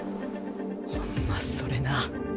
ほんまそれな。